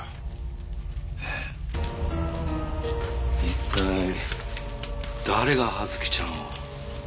一体誰が葉月ちゃんを？